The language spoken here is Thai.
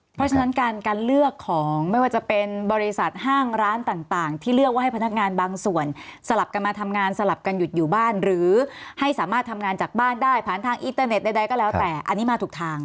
เพราะฉะนั้นการเลือกของไม่ว่าจะเป็นบริษัทห้างร้านต่างที่เลือกว่าให้พนักงานบางส่วนสลับกันมาทำงานสลับกันหยุดอยู่บ้านหรือให้สามารถทำงานจากบ้านได้ผ่านทางอินเตอร์เน็ตใดก็แล้วแต่อันนี้มาถูกทาง